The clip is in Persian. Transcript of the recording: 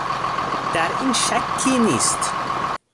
در این شکی نیست.